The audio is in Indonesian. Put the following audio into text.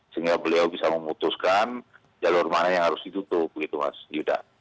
sehingga beliau bisa memutuskan jalur mana yang harus ditutup begitu mas yuda